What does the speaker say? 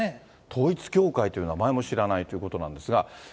統一教会という名前も知らないってことなんですが。